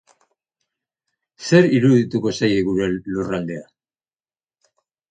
Zer irudituko zaie gure lurraldea?